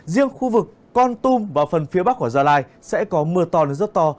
riêng khu vực con tum và phần phía bắc của gia lai sẽ có mưa to nơi rớt to